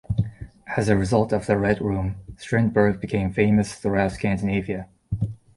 As a result of "The Red Room", Strindberg became famous throughout Scandinavia.